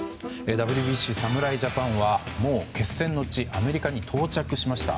ＷＢＣ、侍ジャパンはもう決戦の地アメリカに到着しました。